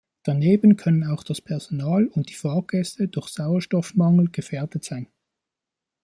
Daneben können auch das Personal und die Fahrgäste durch Sauerstoffmangel gefährdet sein.